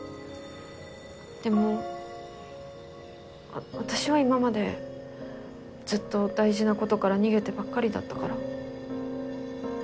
でも私は今までずっと大事な事から逃げてばっかりだったから。